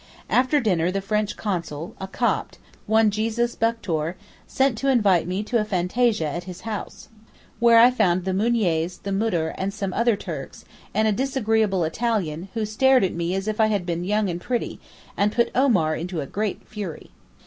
After dinner the French Consul, a Copt, one Jesus Buktor, sent to invite me to a fantasia at his house, where I found the Mouniers, the Moudir, and some other Turks, and a disagreeable Italian, who stared at me as if I had been young and pretty, and put Omar into a great fury.